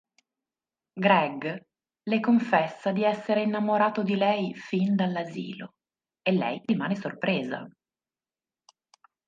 Greg le confessa di essere innamorato di lei fin dall'asilo e lei rimane sorpresa.